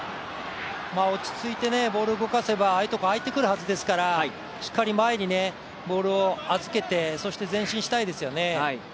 落ち着いてボールを動かせばああいうところがあいてくるはずですからしっかり前にボールを預けてそして、前進したいですよね。